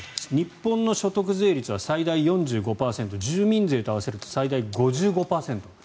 日本の所得税率は最大４５％住民税と合わせると最大５５％。